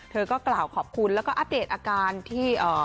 เธอก็กล่าวขอบคุณแล้วก็อัปเดตอาการที่